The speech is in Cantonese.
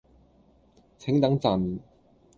請等陣